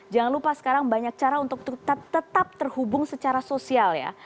jangan lupa sekarang banyak cara untuk tetap terhubung secara sosial ya